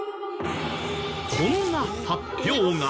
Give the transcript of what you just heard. こんな発表が。